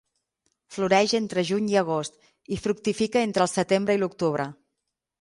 Floreix entre juny i agost, i fructifica entre el setembre i l'octubre.